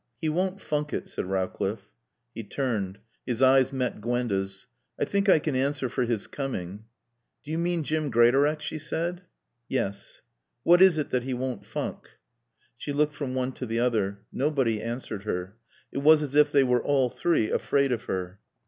"He won't funk it," said Rowcliffe. He turned. His eyes met Gwenda's. "I think I can answer for his coming." "Do you mean Jim Greatorex?" she said. "Yes." "What is it that he won't funk?" She looked from one to the other. Nobody answered her. It was as if they were, all three, afraid of her.